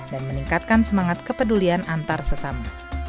dan meningkatkan semangat kepedulian antar sesama